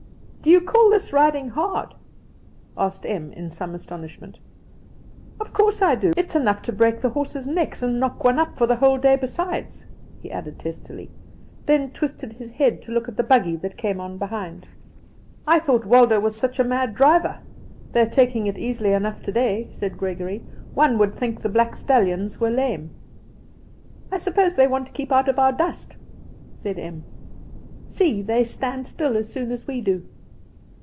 "Do you call this riding hard?" asked Em in some astonishment. "Of course I do! It's enough to break the horses' necks, and knock one up for the whole day besides," he added testily; then twisted his head to look at the buggy that came on behind. "I thought Waldo was such a mad driver; they are taking it easily enough today," said Gregory. "One would think the black stallions were lame." "I suppose they want to keep out of our dust," said Em. "See, they stand still as soon as we do."